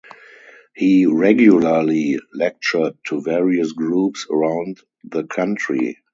He regularly lectured to various groups around the country.